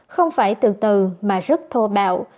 không phải từ từ mà rất thô bạo